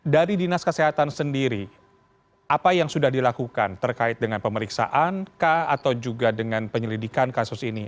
dari dinas kesehatan sendiri apa yang sudah dilakukan terkait dengan pemeriksaan kah atau juga dengan penyelidikan kasus ini